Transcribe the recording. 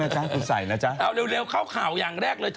กูส่ายนะเร็วเข้าข่าวอย่างแรกเลย